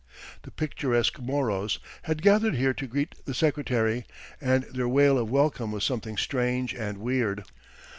The picturesque Moros had gathered here to greet the Secretary, and their wail of welcome was something strange and weird.